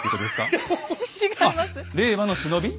あっ令和の忍び？